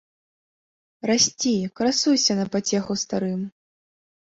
Расці, красуйся на пацеху старым.